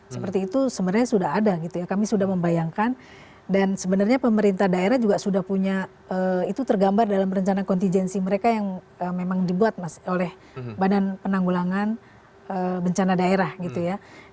seperti itu sebenarnya sudah ada gitu ya kami sudah membayangkan dan sebenarnya pemerintah daerah juga sudah punya itu tergambar dalam rencana kontijensi mereka yang memang dibuat mas oleh badan penanggulangan bencana daerah gitu ya